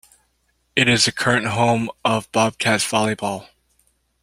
It is the current home of Bobcats volleyball.